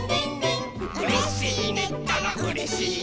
「うれしいねったらうれしいよ」